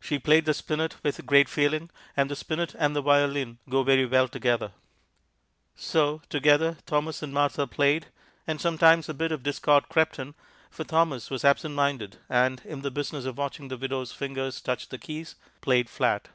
She played the spinet with great feeling, and the spinet and the violin go very well together. So, together, Thomas and Martha played, and sometimes a bit of discord crept in, for Thomas was absent minded and, in the business of watching the widow's fingers touch the keys, played flat.